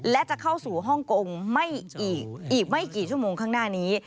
และจะเข้าสู่ฮ่องกงอีกไม่กี่ชั่วโมงข้างหน้านี้